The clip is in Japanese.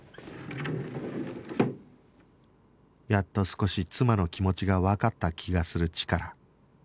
やっと少し妻の気持ちがわかった気がするチカラ